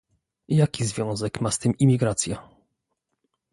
Jaki związek ma z tym imigracja?